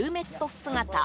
姿。